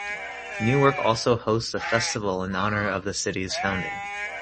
Newark also hosts a Festival in honor of the city's founding.